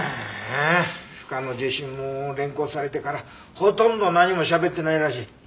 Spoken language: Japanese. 深野自身も連行されてからほとんど何もしゃべってないらしい。